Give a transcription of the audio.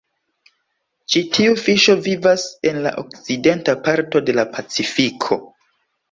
Ĉi tiu fiŝo vivas en la okcidenta parto de la Pacifiko.